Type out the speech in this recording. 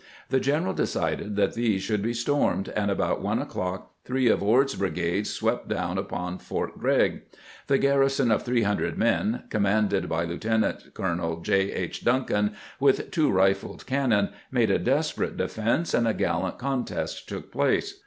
The general decided 'that these should be stormed, and about one o'clock three of Ord's brigades swept down upon Fort Grregg. The garrison of 300 men, commanded by Lieutenant colonel J. H. Duncan, with two rifled cannon, made a desperate de fense, and a gallant contest took place.